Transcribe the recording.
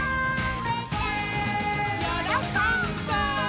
よろこんぶ！